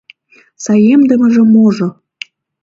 — Саемдымыже-можо!